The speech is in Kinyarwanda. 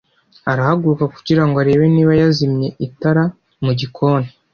arahaguruka kugira ngo arebe niba yazimye itara mu gikoni